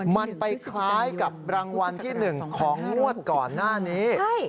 มันไปคล้ายกับรางวัลที่๑ของงวดก่อนหน้านี้